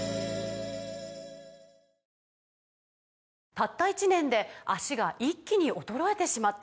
「たった１年で脚が一気に衰えてしまった」